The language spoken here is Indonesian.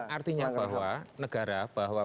artinya bahwa negara bahwa